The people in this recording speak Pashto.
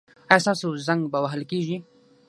ایا ستاسو زنګ به وهل کیږي؟